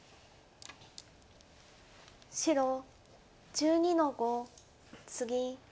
白１２の五ツギ。